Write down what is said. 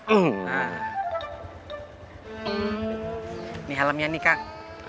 ini halamnya kang